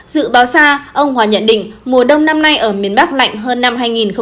dự báo xa ông hòa nhận định mùa đông năm nay ở miền bắc lạnh hơn năm hai nghìn hai mươi